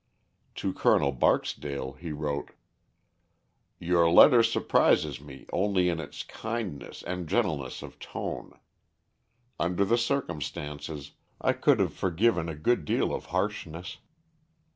To Col. Barksdale he wrote: "Your letter surprises me only in its kindness and gentleness of tone. Under the circumstances I could have forgiven a good deal of harshness.